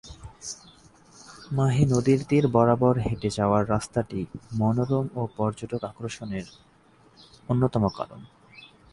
মাহে নদীর তীর বরাবর হেঁটে যাওয়ার রাস্তাটি মনোরম ও পর্যটক আকর্ষণের অন্যতম কারণ।